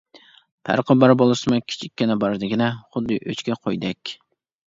پەرقى بار بولسىمۇ كىچىككىنە بار دېگىنە، خۇددى ئۆچكە قويدەك.